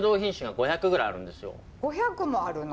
５００もあるの？